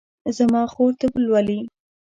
زما خور طب لولي